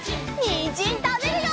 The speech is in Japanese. にんじんたべるよ！